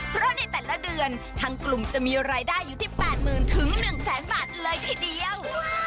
เพราะในแต่ละเดือนทางกลุ่มจะมีรายได้อยู่ที่๘๐๐๐๑แสนบาทเลยทีเดียว